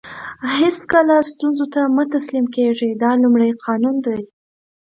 هیڅکله ستونزو ته مه تسلیم کېږئ دا لومړی قانون دی.